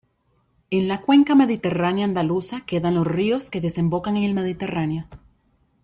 En la cuenca mediterránea andaluza quedan los ríos que desembocan en el Mediterráneo.